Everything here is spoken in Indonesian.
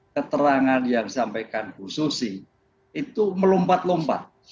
keterangan yang disampaikan bu susi itu melompat lompat